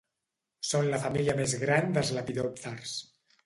Són la família més gran dels lepidòpters.